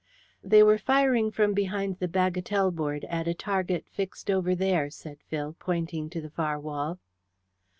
"They were firing from behind the bagatelle board at a target fixed over there," said Phil, pointing to the far wall.